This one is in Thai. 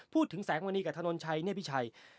พูดถึงแสงมณีกับธนมชัยพี่ชัย